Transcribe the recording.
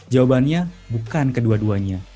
jawabannya bukan kedua duanya